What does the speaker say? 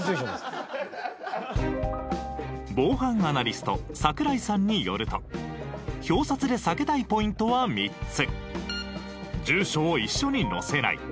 防犯アナリスト桜井さんによると表札で避けたいポイントは３つ。